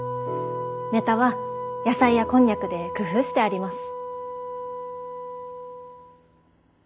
ネタは野菜やこんにゃくで工夫してあります。